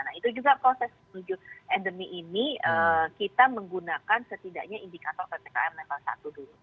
nah itu juga proses menuju endemi ini kita menggunakan setidaknya indikator ppkm level satu dulu